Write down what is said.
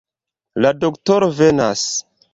La doktoro venas!